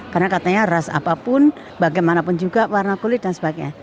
karena katanya ras apapun bagaimanapun juga warna kulit dan sebagainya